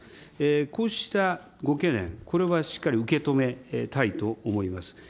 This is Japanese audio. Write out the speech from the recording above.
こうしたご懸念、これはしっかり受け止めたいと思います。